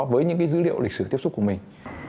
với những cái dữ liệu lịch sử tiếp xúc của mình